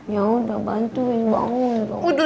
ya udah bantuin bangun